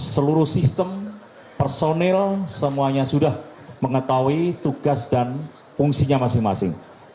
seluruh sistem personil semuanya sudah mengetahui tugas dan fungsinya masing masing